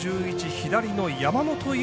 左の山本由